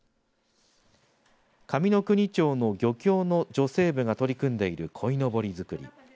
上ノ国町の漁協の女性部が取り組んでいるこいのぼり作り。